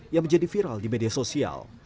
yang menjadi viral di media sosial